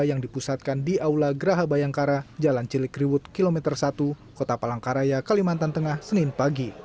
yang dipusatkan di aula geraha bayangkara jalan cilikriwut kilometer satu kota palangkaraya kalimantan tengah senin pagi